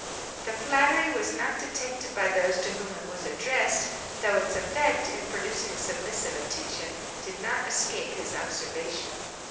The flattery was not detected by those to whom it was addressed, though its effect, in producing submissive attention, did not escape his observation.